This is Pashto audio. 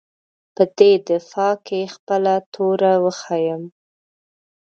په دې دفاع کې خپله توره وښیيم.